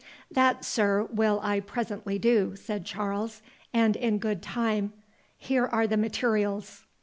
"That, sir, will I presently do," said Charles, "and in good time, here are the materials."